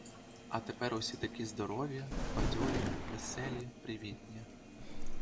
А тепер усі такі здорові, бадьорі, веселі, привітні.